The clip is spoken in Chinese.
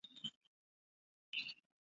潮是大日本帝国海军的驱逐舰。